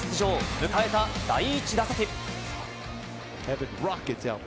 向かえた第１打席。